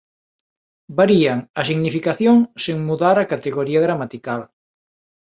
Varían a significación sen mudar a categoría gramatical.